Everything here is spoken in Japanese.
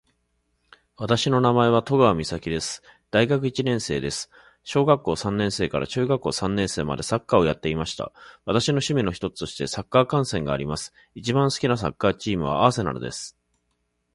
私の名前は登川岬です。大学一年生です。小学三年生から中学三年生までサッカーをやっていました。私の趣味の一つとしてサッカー観戦があります。一番好きなサッカーチームは、アーセナルです。